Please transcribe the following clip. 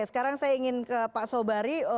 sekarang saya ingin ke pak sobari